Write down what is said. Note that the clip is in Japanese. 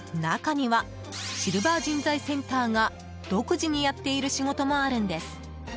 中には、シルバー人材センターが独自にやっている仕事もあるんです。